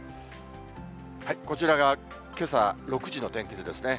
こちらがけさ６時の天気図ですね。